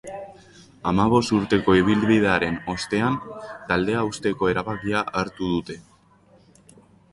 Hamabost urteko ibilbidearen ostean, taldea uzteko erabakia hartu dute.